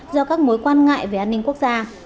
do các mối quan ngại về an ninh quốc gia